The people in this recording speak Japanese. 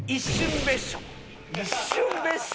「一瞬別所！！」？